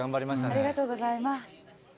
ありがとうございます。